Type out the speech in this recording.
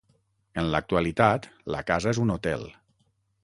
En l'actualitat la casa és un hotel.